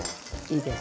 いいです。